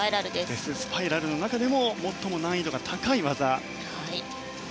デススパイラルの中でも最も難易度が高い技。